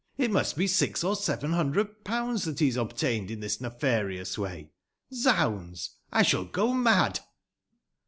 It must be six or seven hundred pounds that he has obtained in this nefarious way. Zoimds! I shall go mad."